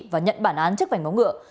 và nhận bản án chức vảnh bóng ngựa